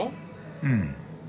うん。